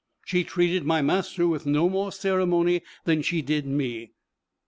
She treated my master with no more ceremony than she did me.